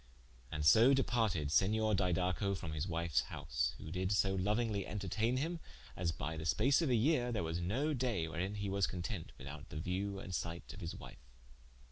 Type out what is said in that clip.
And so departed Senior Didaco from his wiue's house: who did so louingly interteigne him as by the space of a yeare, there was no daye wherein he was content without the view and sight of his wife.